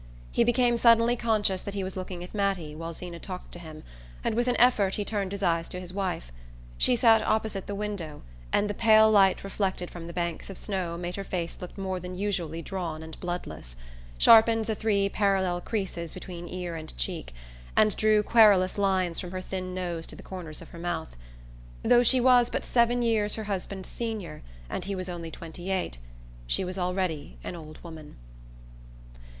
He became suddenly conscious that he was looking at Mattie while Zeena talked to him, and with an effort he turned his eyes to his wife. She sat opposite the window, and the pale light reflected from the banks of snow made her face look more than usually drawn and bloodless, sharpened the three parallel creases between ear and cheek, and drew querulous lines from her thin nose to the corners of her mouth. Though she was but seven years her husband's senior, and he was only twenty eight, she was already an old woman.